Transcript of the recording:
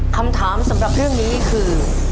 คำถามสำหรับเรื่องนี้คือ